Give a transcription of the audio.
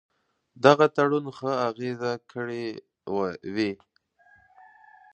دغه تړون ښه اغېزه کړې وي.